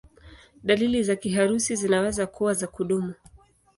Dalili za kiharusi zinaweza kuwa za kudumu.